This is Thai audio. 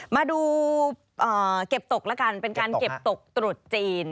มาดูเก็บตกแล้วกันเป็นการเก็บตกตรุษจีน